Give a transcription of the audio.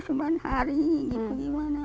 ya sepanjang hari gimana